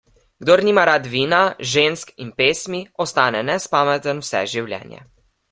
Kdor nima rad vina, žensk in pesmi, ostane nespameten vse življenje.